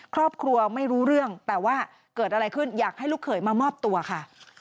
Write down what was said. ครอบครัวไม่รู้เรื่องแต่ว่าเกิดอะไรขึ้นอยากให้ลูกเขยมามอบตัวค่ะ